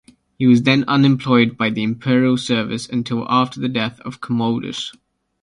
He then was unemployed by the imperial service until after the death of Commodus.